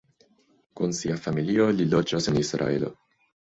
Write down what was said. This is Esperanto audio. Kun sia familio li loĝas en Israelo.